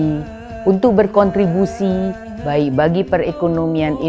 dan menjaga kebaikan pribadi